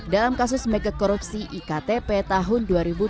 dalam kasus megakorupsi iktp tahun dua ribu tujuh belas